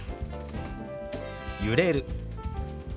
「揺れる」。